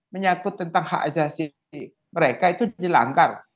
menyakut tentang hak ajasi mereka itu dilanggar